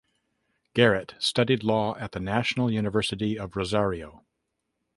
Garat studied law at the National University of Rosario.